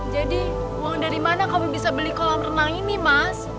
jadi uang dari mana kamu bisa beli kolam renang ini mas